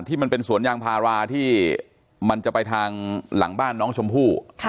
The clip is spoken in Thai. มันเป็นสวนยางพาราที่มันจะไปทางหลังบ้านน้องชมพู่